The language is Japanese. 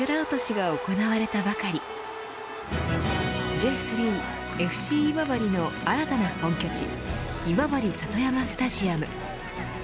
Ｊ３、ＦＣ今治の新たな本拠地今治里山スタジアム。